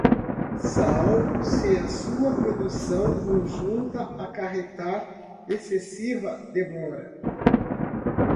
salvo se a sua produção conjunta acarretar excessiva demora